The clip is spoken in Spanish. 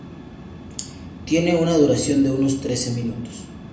Tiene una duración de unos trece minutos.